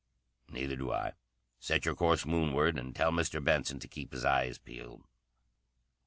"Neither do I. Set your course Moonward, and tell Mr. Benson to keep his eyes peeled."